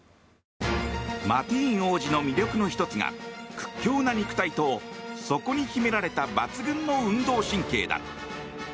マティーン王子の魅力の１つが屈強な肉体と、そこに秘められた抜群の運動神経だ。